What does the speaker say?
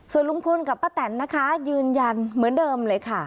ส่วนลุงพลกับป้าแตนนะคะยืนยันเหมือนเดิมเลยค่ะ